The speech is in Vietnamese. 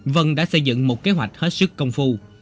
vân đã xây dựng một kế hoạch hết sức công phu